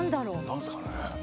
何すかね。